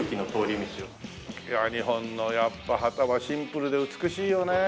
日本のやっぱ旗はシンプルで美しいよね。